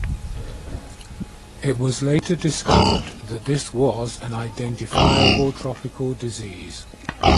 It was later discovered that this was an identifiable tropical disease.